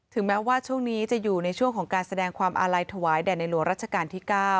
แม้ว่าช่วงนี้จะอยู่ในช่วงของการแสดงความอาลัยถวายแด่ในหลวงรัชกาลที่๙